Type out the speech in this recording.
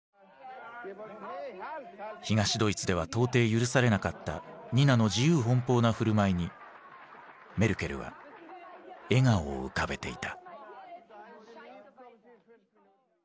東ドイツでは到底許されなかったニナの自由奔放な振る舞いにメルケルは笑顔を浮かべていた。